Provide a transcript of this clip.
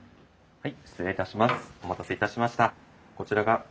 はい。